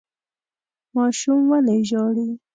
ماشوم ولې ژاړي ؟